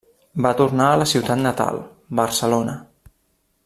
Va tornar a la ciutat natal, Barcelona.